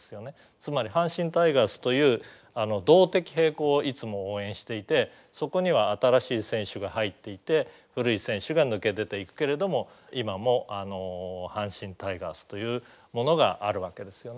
つまり阪神タイガースという動的平衡をいつも応援していてそこには新しい選手が入っていて古い選手が抜け出ていくけれども今も阪神タイガースというものがあるわけですよね。